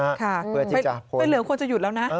ไฟเหลืองควรจะหยุดแล้วนะ